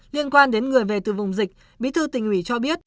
liên quan đến người về từ vùng dịch bí thư tỉnh ủy cho biết